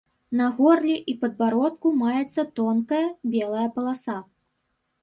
На горле і падбародку маецца тонкая, белая паласа.